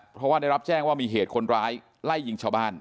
เพราะว่าได้รับแจ้งว่ามีเหตุคนร้ายไล่ยิงชาวบ้าน